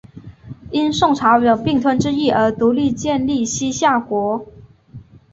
因宋朝有并吞之意而独立建立西夏国。